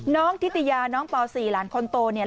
ธิติยาน้องป๔หลานคนโตเนี่ย